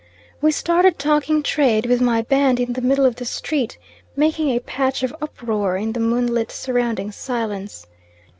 We started talking trade, with my band in the middle of the street; making a patch of uproar in the moonlit surrounding silence.